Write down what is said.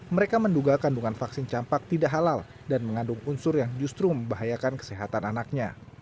mereka menduga kandungan vaksin campak tidak halal dan mengandung unsur yang justru membahayakan kesehatan anaknya